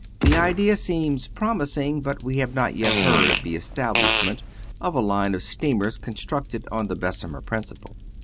The idea seems promising, but we have not yet heard of the establishment of a line of steamers constructed on the Bessemer principle.